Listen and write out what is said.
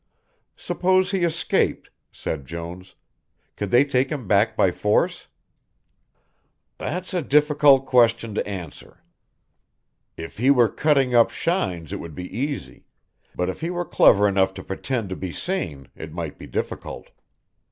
"Suppose he escaped," said Jones. "Could they take him back by force?" "That's a difficult question to answer. If he were cutting up shines it would be easy, but if he were clever enough to pretend to be sane it might be difficult.